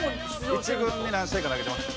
一軍で何試合か投げてました。